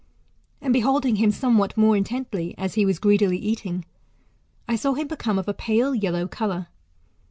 And beholdifg him somewhat more intently, as he was greedily eating, I saw him become of a pale yellow colour.